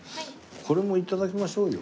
これも頂きましょうよ。